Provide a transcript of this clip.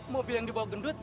mobil yang dibawa gendut